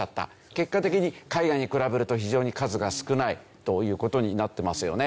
結果的に海外に比べると非常に数が少ないという事になってますよね。